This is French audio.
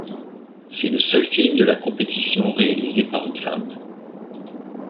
C'est le seul film de la compétition réalisé par une femme.